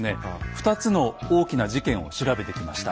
２つの大きな事件を調べてきました。